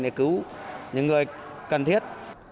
để cứu những người cần thiết